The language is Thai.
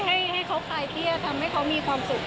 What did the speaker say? ให้เขาคลายเครียดทำให้เขามีความสุข